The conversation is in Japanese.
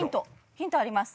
ヒントあります。